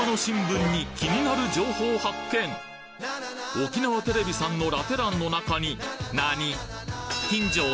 沖縄テレビさんのラテ欄の中になに！？